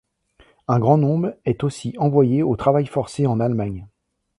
Un grand nombre est aussi envoyé au travail forcé en Allemagne.